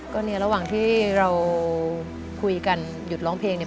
ก็รว่างที่เราคุยกันหยุดร้องเพลง